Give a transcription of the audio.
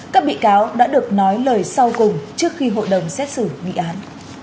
các bị cáo đã được nói lời sau cùng trước khi hội đồng xét xử nghị án